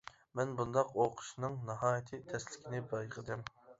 مەن بۇنداق ئوقۇشنىڭ ناھايىتى تەسلىكىنى بايقىدىم.